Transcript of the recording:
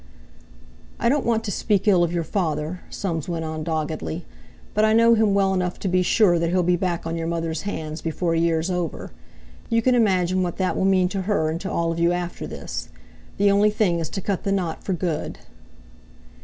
"I don't want to speak ill of your father," Soames went on doggedly, "but I know him well enough to be sure that he'll be back on your mother's hands before a year's over. You can imagine what that will mean to her and to all of you after this. The only thing is to cut the knot for good."